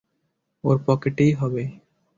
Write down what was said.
ওর পকেটেই হইব?